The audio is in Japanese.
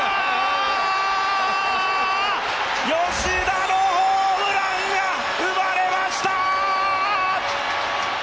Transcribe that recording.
吉田のホームランが生まれました！